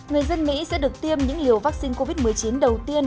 người dân mỹ sẽ được tiêm những liều vaccine covid một mươi chín đầu tiên